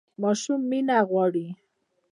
ماشوم مینه غواړي